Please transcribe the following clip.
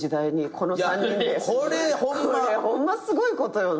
これホンマすごいことよな。